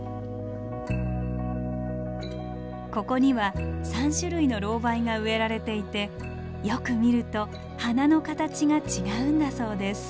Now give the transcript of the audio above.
ここには３種類のロウバイが植えられていてよく見ると花の形が違うんだそうです。